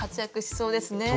そうですよね。